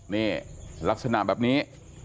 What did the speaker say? นี่ลักษณะแบบนี้